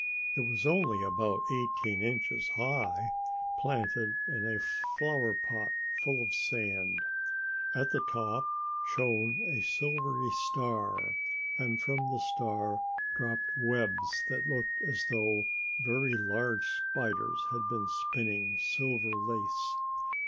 It was only about eighteen inches high, planted in a flower pot full of sand. At the top shone a silvery star, and from the star dropped webs that looked as though very large spiders had been spinning silver lace.